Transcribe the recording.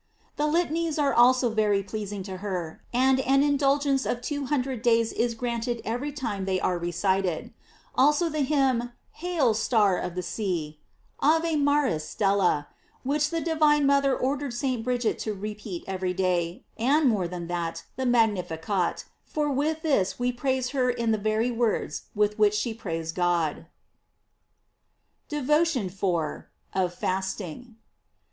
* The Litanies are also very pleasing to her, and an indulgence of two hundred days is granted every time they are re cited ; also the hymn, "Hail, star of the sea," "Ave Maris stella," which the divine mother or dered St. Bridget to repeat every day; and more than all, the "Magnificat," for with this we praise * To. 1, c. 8. 656 GLORIES OP MARY. her in the very words with which she praised God. DEVOTION IV. — OF FASTING.